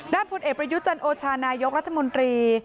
ด้านผู้เอกประยุจรรย์โอชานายกรัฐมนตรี